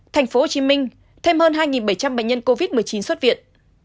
thành phố hồ chí minh thêm hơn hai bảy trăm linh bệnh nhân covid một mươi chín xuất viện